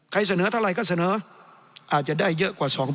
เสนอเท่าไหร่ก็เสนออาจจะได้เยอะกว่า๒๐๐